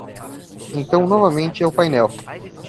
Então, novamente, é o painel